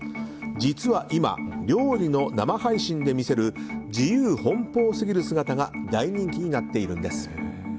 実は、今料理の生配信で見せる自由奔放すぎる姿が大人気になっているんです。